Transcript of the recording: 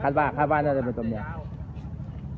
ข้าวบ้านข้าวบ้านน่ะจะเป็นตัวเมียนั่นจะเป็นตัวเมีย